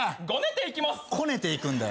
こねていくんだよ。